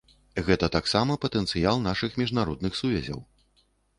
Гэта таксама патэнцыял нашых міжнародных сувязяў.